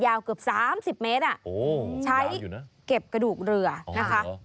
เกือบ๓๐เมตรใช้เก็บกระดูกเรือนะคะ